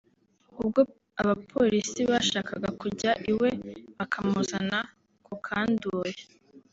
ubwo abapolisi bashakaga kujya iwe bakamuzana ku kandoye